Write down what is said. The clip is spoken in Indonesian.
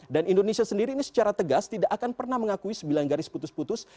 dan indonesia sendiri ini secara tegas tidak akan pernah mengakui sembilan garis putus putus